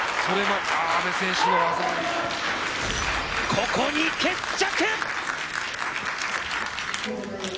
ここに決着！